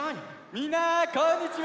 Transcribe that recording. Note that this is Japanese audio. みんなこんにちは！